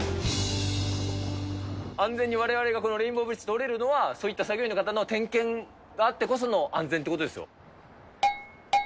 安全にわれわれがこのレインボーブリッジを通れるのは、そういった作業員の方の点検があってこその安全ってことですよ。